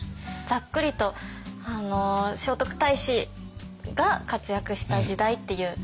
ざっくりと聖徳太子が活躍した時代っていうイメージですかね。